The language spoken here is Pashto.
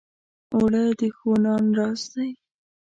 اوړه د ښو نان راز دی